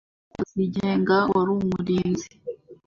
ku mfunguzo zigenga wari umurinzi